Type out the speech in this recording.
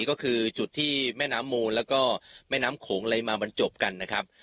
ก็คือจุดที่แม่น้ำมูลแล้วก็แม่น้ำโขงอะไรมาบรรจบกันนะครับ